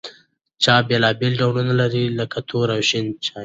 چای بېلابېل ډولونه لري لکه تور او شین.